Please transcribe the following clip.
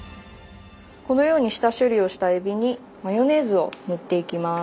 このように下処理をしたえびにマヨネーズを塗っていきます。